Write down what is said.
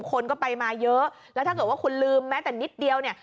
คนก็ไปมาเยอะแล้วถ้าเกิดว่าคุณลืมแม้แต่นิดเดียวเนี่ย